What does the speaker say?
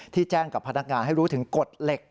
แจ้งกับพนักงานให้รู้ถึงกฎเหล็ก